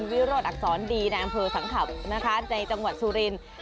วิโรชอักษรดีนะอำเพราสังครรภ์ในจังหวัดสุรินบริจาคา